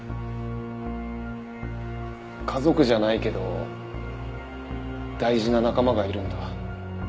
家族じゃないけど大事な仲間がいるんだ。